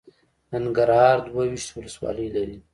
ننګرهار دوه ویشت ولسوالۍ لري.